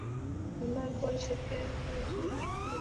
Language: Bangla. হামলার পর থেকে ফয়জুর হাসপাতালে চিকিৎসাধীন ছিলেন।